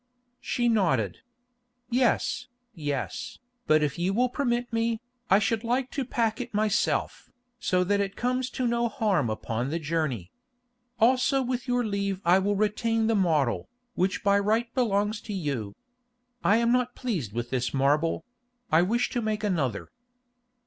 She nodded. "Yes, yes, but if you will permit me, I should like to pack it myself, so that it comes to no harm upon the journey. Also with your leave I will retain the model, which by right belongs to you. I am not pleased with this marble; I wish to make another."